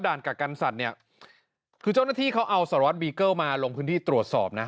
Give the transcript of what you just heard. กักกันสัตว์เนี่ยคือเจ้าหน้าที่เขาเอาสารวัตรบีเกิลมาลงพื้นที่ตรวจสอบนะ